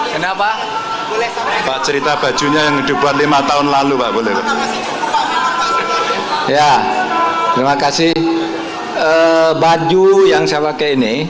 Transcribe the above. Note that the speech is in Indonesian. kenapa pak cerita bajunya yang dibuat lima tahun lalu pak boleh ya terima kasih baju yang saya pakai ini